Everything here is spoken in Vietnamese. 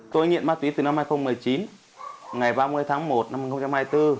tôi nghiện ma túy từ năm hai nghìn một mươi chín ngày ba mươi tháng một năm hai nghìn hai mươi bốn